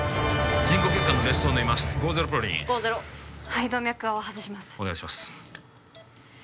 人工血管の裂創を縫います５−０プローリン５−０肺動脈側を外しますお願いします